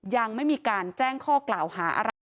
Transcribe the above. ยังไม่มีการแจ้งข้อกล่าวหาอะไร